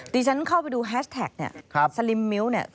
ตีฉันเข้าไปดูแฮชแท็กสลิมมิลค์